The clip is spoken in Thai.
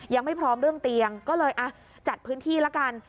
ยังไม่พร้อมเรื่องเตียงก็เลยจัดพื้นที่ละกัน